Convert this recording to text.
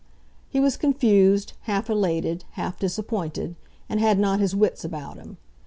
He was confused, half elated, half disappointed, and had not his wits about him.